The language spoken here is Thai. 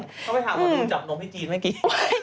เขาไปถามหมอดูจับนมพี่จีนเมื่อกี้